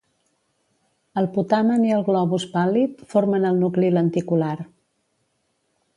El putamen i el globus pàl·lid formen el nucli lenticular.